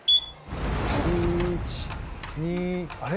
１２あれ？